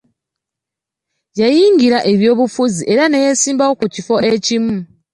Yayingira eby'obufuzi era neyesimbawo ku kifo ekimu.